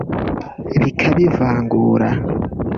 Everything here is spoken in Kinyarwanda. bikabivangura